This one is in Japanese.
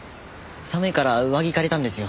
寒いから上着借りたんですよ。